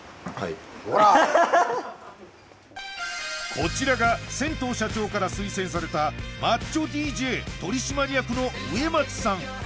こちらが仙頭社長から推薦されたマッチョＤＪ取締役の植松さん